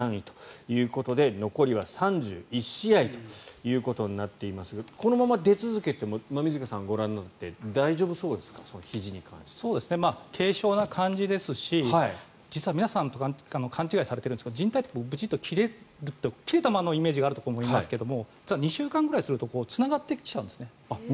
打点は９２打点、リーグ３位打率は３割５厘でリーグ３位ということで残りは３１試合ということになっていますがこのままで続けても馬見塚さんからご覧になって軽傷な感じですし実は皆さん勘違いされているんですがじん帯ってブチッと切れると切れたままのイメージがあると思いますが２週間ぐらいするとつながってきちゃうんですね。